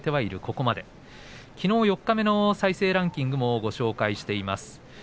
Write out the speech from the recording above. ここまできのう四日目の再生ランキングもご紹介しています。